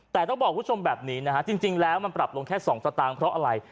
แต่ต้องบอกคุณผู้ชมแบบนี้นะฮะจริงแล้วมันปรับลงแค่๒สตางค์เพราะอะไร